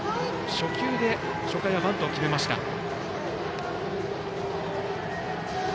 初球で初回はバントを決めました。